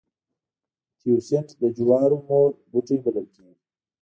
تیوسینټ د جوارو مور بوټی بلل کېږي